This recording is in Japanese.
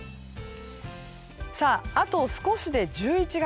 あと少しで１１月。